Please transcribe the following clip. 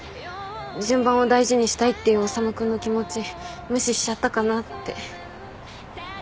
順番を大事にしたいっていう修君の気持ち無視しちゃったかなって。